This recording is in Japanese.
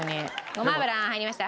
ごま油入りました。